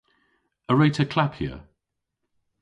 A wre'ta klappya?